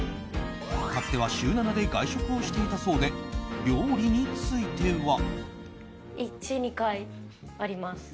かつては週７で外食をしていたそうで料理については。